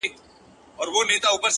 د خوار د ژوند كيسه ماتـه كړه”